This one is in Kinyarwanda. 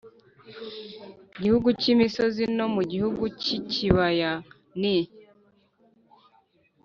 gihugu cy imisozi no mu gihugu cy ikibaya n i